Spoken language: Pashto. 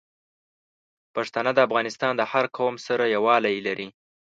پښتانه د افغانستان د هر قوم سره یوالی لري.